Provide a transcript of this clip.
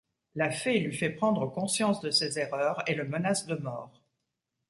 La Fée lui fait prendre conscience de ses erreurs et le menace de mort.